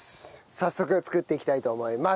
早速作っていきたいと思います。